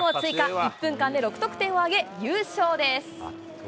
１分間で６得点を挙げ、優勝です。